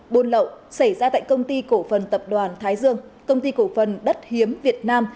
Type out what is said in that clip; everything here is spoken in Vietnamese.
buôn lậu xảy ra tại công ty cổ phần tập đoàn thái dương công ty cổ phần đất hiếm việt nam